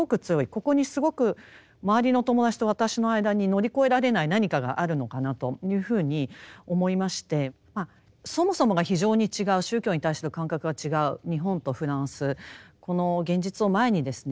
ここにすごく周りの友達と私の間に乗り越えられない何かがあるのかなというふうに思いましてそもそもが非常に違う宗教に対する感覚が違う日本とフランスこの現実を前にですね